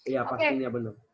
iya pastinya bener